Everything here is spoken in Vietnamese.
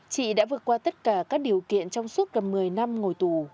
chị đã vượt qua tất cả các điều kiện trong suốt gần một mươi năm ngồi tù